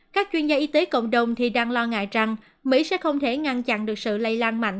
các chuyên gia y tế cộng đồng thì đang lo ngại rằng mỹ sẽ không thể ngăn chặn được sự lây lan mạnh